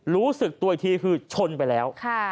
รู้สึกตัวอีกทีคือชนไปแล้ว